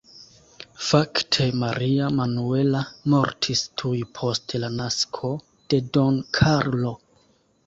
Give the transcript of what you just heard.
Fakte Maria Manuela mortis tuj post la nasko de Don Karlo.